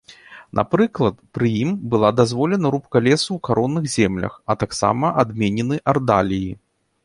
Напрыклад, пры ім была дазволена рубка лесу ў каронных землях, а таксама адменены ардаліі.